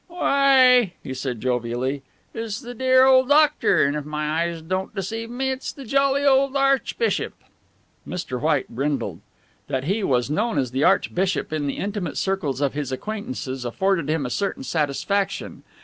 "Why," he said jovially, "it's the dear old doctor, and if my eyes don't deceive me, it's the jolly old Archbishop." Mr. White brindled. That he was known as the Archbishop in the intimate circles of his acquaintances afforded him a certain satisfaction.